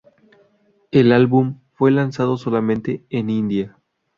El álbum fue lanzado solamente en India.